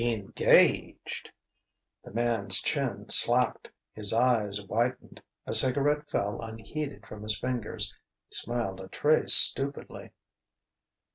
"Engaged !" The man's chin slacked: his eyes widened; a cigarette fell unheeded from his fingers. He smiled a trace stupidly.